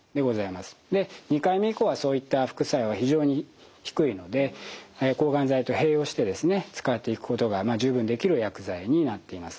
２回目以降はそういった副作用は非常に低いので抗がん剤と併用して使っていくことが十分できる薬剤になっています。